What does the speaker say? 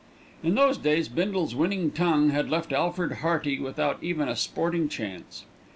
In those days Bindle's winning tongue had left Alfred Hearty without even a sporting chance.